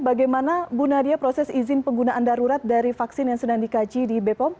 bagaimana bu nadia proses izin penggunaan darurat dari vaksin yang sedang dikaji di bepom